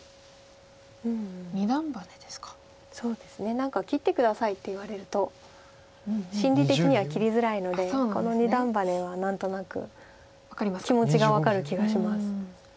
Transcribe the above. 何か切って下さいって言われると心理的には切りづらいのでこの二段バネは何となく気持ちが分かる気がします。